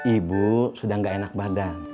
ibu sudah gak enak badan